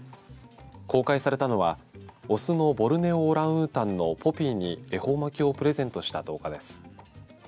公開されたのはオスのボルネオオランウータンのポピーに恵方巻きをプレゼントした動画です。